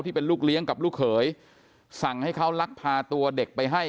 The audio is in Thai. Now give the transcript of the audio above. ที่เป็นลูกเลี้ยงกับลูกเขยสั่งให้เขาลักพาตัวเด็กไปให้